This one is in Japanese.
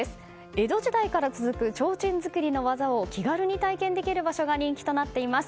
江戸時代から続くちょうちん作りの技を気軽に体験できる場所が人気となっています。